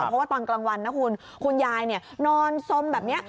เพราะว่าตอนกลางวันนะคุณคุณยายนอนสมแบบนี้